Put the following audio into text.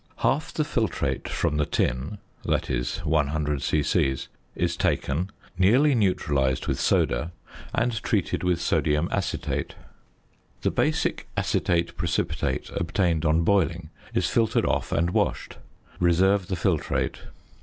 ~ Half the filtrate from the tin (that is, 100 c.c.) is taken, nearly neutralised with soda, and treated with sodium acetate. The basic acetate precipitate obtained on boiling is filtered off and washed. Reserve the filtrate.